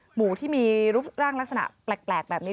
หมูที่มีรูปร่างลักษณะแปลกแบบนี้